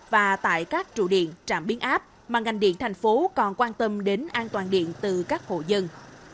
và tại các trụ điện trạm biến áp mà ngành điện thành phố còn quan tâm đến an toàn điện từ các hộ dân